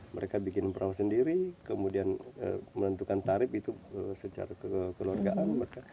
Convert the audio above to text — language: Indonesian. mereka bikin perahu sendiri kemudian menentukan tarif itu secara kekeluargaan